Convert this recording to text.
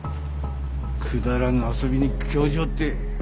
くだらぬ遊びに興じおって。